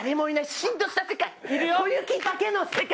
小雪だけの世界！